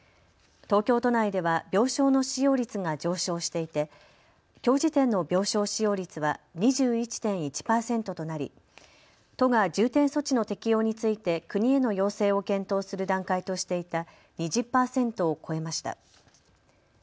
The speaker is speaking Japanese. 東京都内では病床の使用率が上昇していてきょう時点の病床使用率は２１．１％となり都が重点措置の適用について国への要請を検討する段階としていた２０％を超えました。